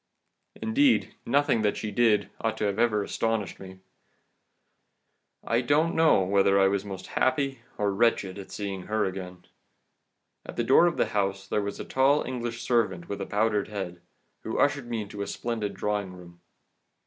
"Indeed, nothing that she did ought ever to have astonished me. I don't know whether I was most happy or wretched at seeing her again. At the door of the house there was a tall English servant with a powdered head, who ushered me into a splendid drawing room.